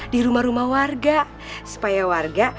di rumah rumah warga supaya warga